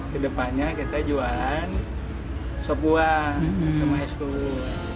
di depannya kita jualan sop buah sama es gula